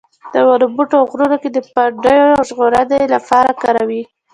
د ونو بوټو او غرونو کې د پنډیو د ژغورنې لپاره کاروي.